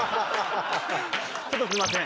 ちょっとすいません。